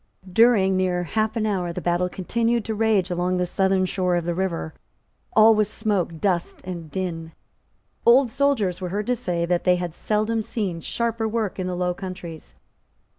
During near half an hour the battle continued to rage along the southern shore of the river. All was smoke, dust and din. Old soldiers were heard to say that they had seldom seen sharper work in the Low Countries.